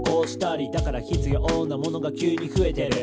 「だから必要なものが急に増えてる」